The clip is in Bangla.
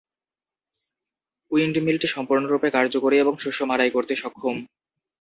উইণ্ডমিলটি সম্পূর্ণরূপে কার্যকরী এবং শস্য মাড়াই করতে সক্ষম।